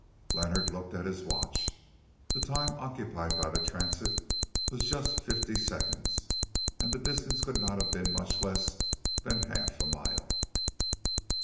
Leonard looked at his watch; the time occupied by the transit was just fifty seconds, and the distance could not have been much less than half a mile.